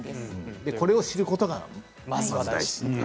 これを知ることがまずは大事。